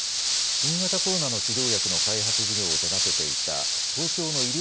新型コロナの治療薬の開発事業を手がけていた東京の医療